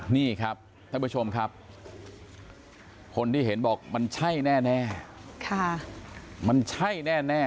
นี่ครับท่านผู้ชมครับคนที่เห็นบอกมันใช่แน่มันใช่แน่